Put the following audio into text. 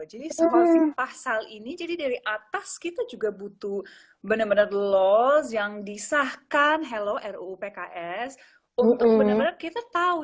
jadi soal sih pasal ini jadi dari atas kita juga butuh benar benar laws yang disahkan hello ruu pks untuk benar benar kita tahu